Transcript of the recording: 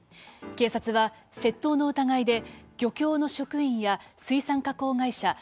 警察は窃盗の疑いで漁協の職員や水産加工会社